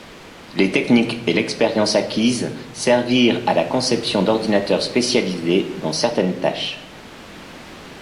Les techniques et l'expérience acquise servirent à la conception d'ordinateurs spécialisés dans certaines tâches.